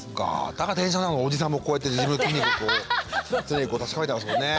だから電車の中でおじさんもこうやって自分の筋肉こう常にこう確かめてますもんね。